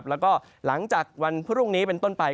แล้วก็หลังจากวันพรุ่งนี้เป็นต้นไป